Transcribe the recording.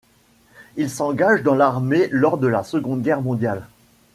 Il s'engage dans l'armée lors de la Seconde Guerre mondiale.